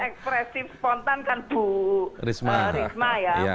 karena yang sangat ekspresif spontan kan bu risma ya